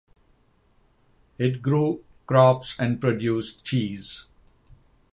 It grew crops and produced cheese.